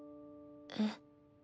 えっ？